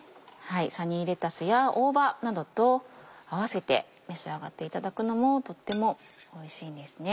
サニーレタスや大葉などと合わせて召し上がっていただくのもとってもおいしいんですね。